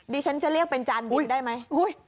ดิฉันจะเรียกเป็นจานบุญได้ไหม